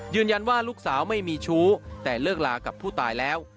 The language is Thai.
ลูกสาวไม่มีชู้แต่เลิกลากับผู้ตายแล้ว